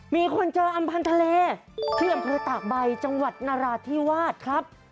มีคนเจออำพันธ์ทะเลที่อำเภอตากใบจังหวัดนราธิวาสครับ